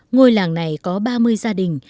ngôi làng này có ba mươi gia đình